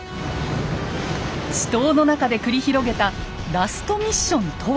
死闘の中で繰り広げたラストミッションとは。